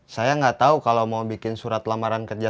saya nggak tahu kalau mau bikin surat lamaran kerja